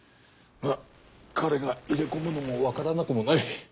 まぁ彼が入れ込むのもわからなくもない。